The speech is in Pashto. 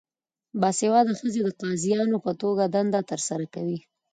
باسواده ښځې د قاضیانو په توګه دنده ترسره کوي.